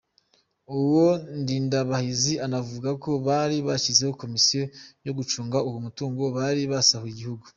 Uwo Ndindabahizi anavuga ko bari bashyizeho Komisiyo yo gucunga uwo mutungo bari basahuye igihugu.